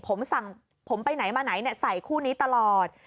ผมสั่งผมไปไหนมาไหนใส่คู่นี้ตลอด